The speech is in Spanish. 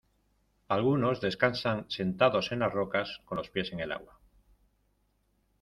algunos descansan sentados en las rocas, con los pies en el agua: